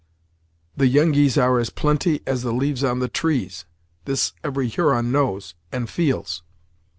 "The Yengeese are as plenty as the leaves on the trees! This every Huron knows, and feels."